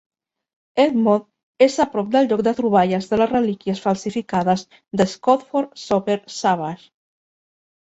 Edmore és a prop del lloc de troballes de les relíquies falsificades de Scotford-Soper-Savage.